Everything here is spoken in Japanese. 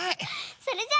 それじゃあ。